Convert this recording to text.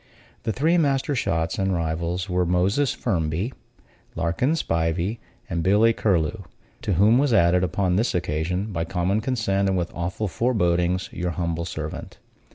The three master shots and rivals were Moses Firmby, Larkin Spivey and Billy Curlew; to whom was added, upon this occasion, by common consent and with awful forebodings, your humble servant.